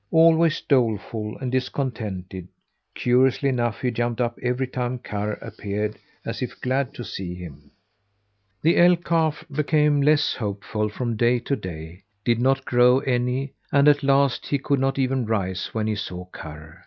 Always doleful and discontented, curiously enough he jumped up every time Karr appeared as if glad to see him. The elk calf became less hopeful from day to day, did not grow any, and at last he could not even rise when he saw Karr.